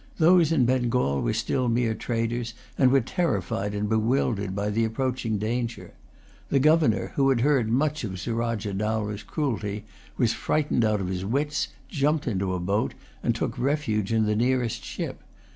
Those in Bengal were still mere traders, and were terrified and bewildered by the approaching danger. The governor, who had heard much of Surajah Dowlah's cruelty, was frightened out of his wits, jumped into a boat, and took refuge in the nearest ship.